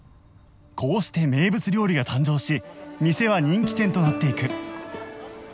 こうして名物料理が誕生し店は人気店となっていく